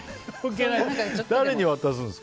誰に渡すんですか？